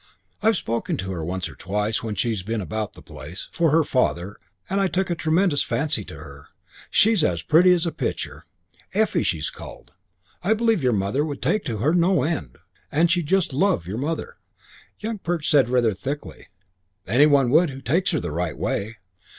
I've spoken to her once or twice when she's been about the place for her father and I took a tremendous fancy to her. She's as pretty as a picture. Effie, she's called. I believe your mother would take to her no end. And she'd just love your mother." Young Perch said rather thickly, "Any one would who takes her the right way."